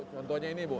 contohnya ini bu